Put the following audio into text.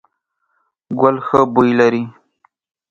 ګل ښه بوی لري ….